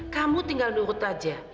kamu tinggal nurut aja